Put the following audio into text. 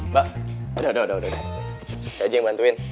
mbak udah deh saya aja yang bantuin